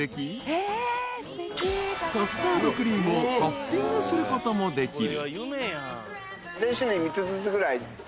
［カスタードクリームをトッピングすることもできる］